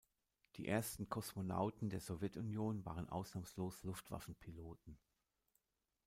Die ersten Kosmonauten der Sowjetunion waren ausnahmslos Luftwaffen-Piloten.